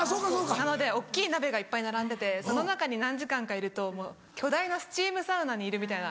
なので大っきい鍋がいっぱい並んでてその中に何時間かいると巨大なスチームサウナにいるみたいな。